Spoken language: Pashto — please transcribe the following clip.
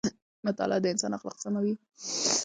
مطالعه د انسان اخلاق سموي او د زغم کچه یې لوړوي.